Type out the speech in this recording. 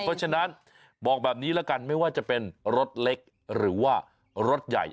เพราะฉะนั้นบอกแบบนี้ละกันไม่ว่าจะเป็นรถเล็กหรือว่ารถใหญ่